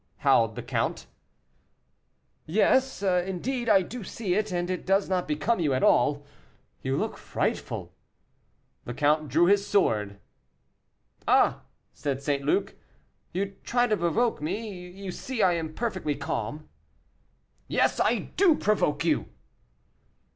howled the count. "Yes, indeed, I do see it, and it does not become you at all; you look frightful." The count drew his sword. "Ah!" said St. Luc, "you try to provoke me; you see I am perfectly calm." "Yes, I do provoke you."